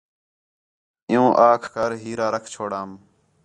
عیوں آکھ کر ہیرا رکھ چھوڑام